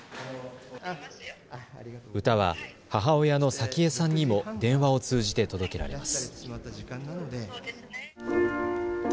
歌は母親の早紀江さんにも電話を通じて届けられます。